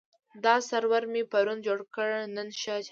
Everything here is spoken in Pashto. دا سرور مې پرون جوړ کړ، نن ښه چلېده.